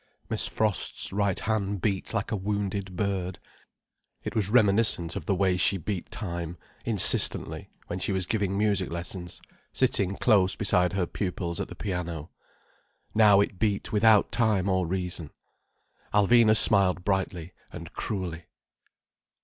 Miss Frost's right hand beat like a wounded bird. It was reminiscent of the way she beat time, insistently, when she was giving music lessons, sitting close beside her pupils at the piano. Now it beat without time or reason. Alvina smiled brightly and cruelly.